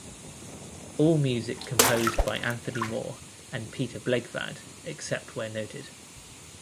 All music composed by Anthony Moore and Peter Blegvad, except where noted.